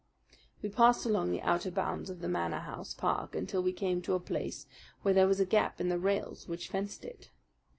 We passed along the outer bounds of the Manor House park until we came to a place where there was a gap in the rails which fenced it.